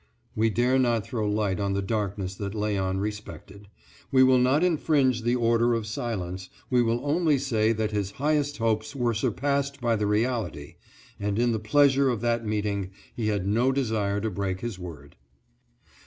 We dare not throw light on the darkness that Léon respected. We will not infringe the order of silence; we will only say that his highest hopes were surpassed by the reality, and in the pleasure of that meeting he had no desire to break his word.